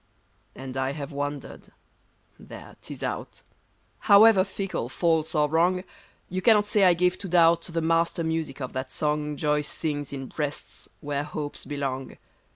And I have wandered : there, 'tis out ! However fickle, false, or wrong, You cannot say I gave to doubt The master music of that song Joy sings in breasts where hopes belong.